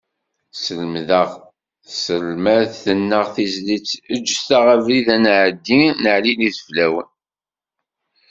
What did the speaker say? Tselmed-aɣ tselmadt-nneɣ tizlit eǧǧet-aɣ abrid ad nɛeddin n Ɛli Ideflawen.